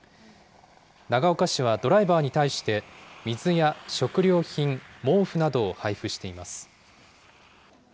長岡市はドライバーに対して水や食料品、毛布などを配布しています。